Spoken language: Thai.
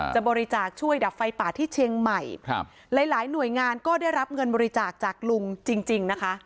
จะบริจาคช่วยดับไฟป่าที่เชียงใหม่ครับหลายหลายหน่วยงานก็ได้รับเงินบริจาคจากลุงจริงจริงนะคะ